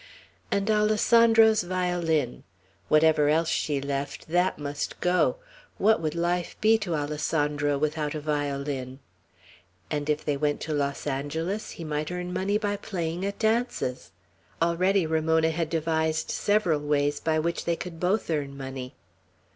And Alessandro's violin. Whatever else she left, that must go. What would life be to Alessandro without a violin! And if they went to Los Angeles, he might earn money by playing at dances. Already Ramona had devised several ways by which they could both earn money.